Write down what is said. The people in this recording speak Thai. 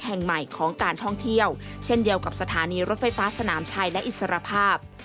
แห่งใหม่ของการท่องเที่ยวเช่นเดียวกับสถานีรถไฟฟ้าสนามชัยและอิสรภาพ